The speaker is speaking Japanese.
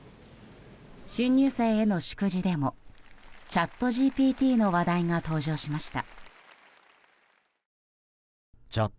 新入生への祝辞でもチャットＧＰＴの話題が登場しました。